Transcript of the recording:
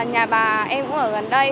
nhà bà em cũng ở gần đây